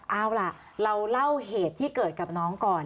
เอาล่ะเราเล่าเหตุที่เกิดกับน้องก่อน